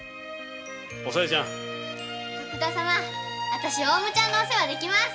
あたしオウムちゃんのお世話できます。